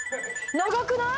長くない？」